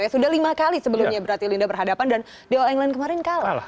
sudah lima kali sebelumnya berarti linda berhadapan dan di all england kemarin kalah